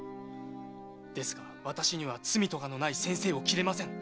ですが私には罪科のない先生を斬れません。